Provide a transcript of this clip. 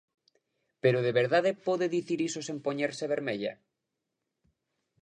¿Pero de verdade pode dicir iso sen poñerse vermella?